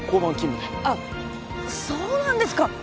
そうなんですか！